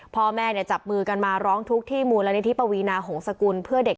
พ่อแม่จับมือกันมาร้องทุกข์ที่มูลนิธิปวีนาหงษกุลเพื่อเด็ก